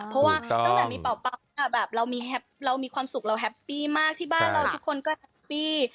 เพราะว่าตั้งแต่มีเป่าปั๊บแบบเรามีความสุขเราแฮปปี้มากที่บ้านเราทุกคนก็แฮปปี้